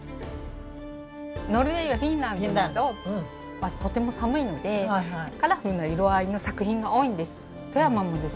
ノルウェーやフィンランドなどはとても寒いのでカラフルな色合いの作品が多いんです。